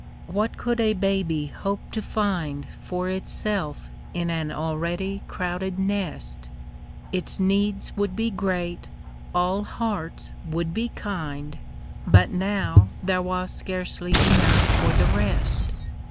What could a baby hope to find For itself in an already crowded nest ? Its needs would be great, all hearts would be kind, Hut now there was scarcely enough for the rest.